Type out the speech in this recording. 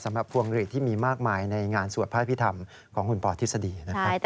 สำหรับพวงหลีดที่มีมากมายในงานสวดพระพิธรรมของคุณพอธิษฎี